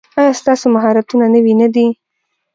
ایا ستاسو مهارتونه نوي نه دي؟